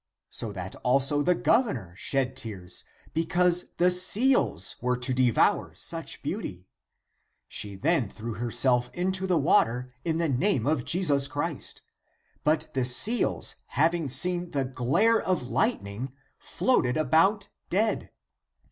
so that also the governor shed tears, because the seals were to devour such beauty. She then threw her self into the water in the name of Jesus Christ ; but the seals having seen the glare of lightning, floated about dead.